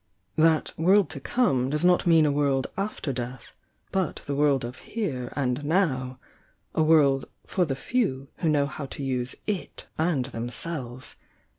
That 'world to come' does not mean a world after death— but the world of here and now — a world 'for the few' who know how to use it, and themselves!